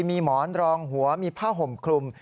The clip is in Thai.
มีหมอนรองหัวมีผ้าห่มคลุม